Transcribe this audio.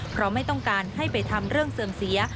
เพราะไม่ต้องการให้ไปทำเรื่องเสื่อมเสีย